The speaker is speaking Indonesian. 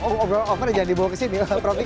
oke ya montrol omangnya jangan dibawa ke sini